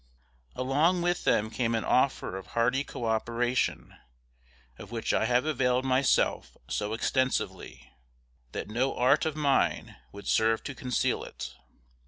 Along with them came an offer of hearty co operation, of which I have availed myself so extensively, that no art of mine would serve to conceal it.